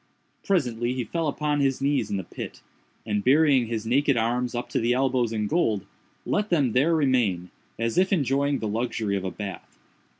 Presently he fell upon his knees in the pit, and, burying his naked arms up to the elbows in gold, let them there remain, as if enjoying the luxury of a bath.